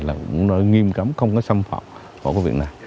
là nghiêm cấm không có xâm phạm không có việc này